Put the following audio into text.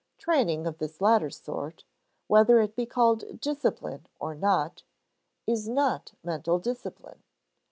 Training of this latter sort, whether it be called discipline or not, is not mental discipline.